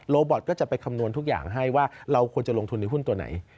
บอตก็จะไปคำนวณทุกอย่างให้ว่าเราควรจะลงทุนในหุ้นตัวไหน